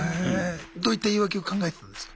どういった言い訳を考えてたんですか？